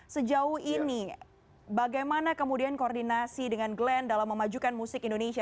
sejauh ini bagaimana kemudian koordinasi dengan glenn dalam memajukan musik indonesia